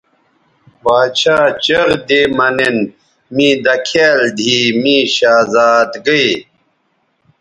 باڇھا چیغ دی مہ نِن می دکھیال دیھی می شہزادئ